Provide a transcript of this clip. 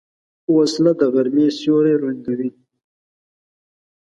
وسله د غرمې سیوری ړنګوي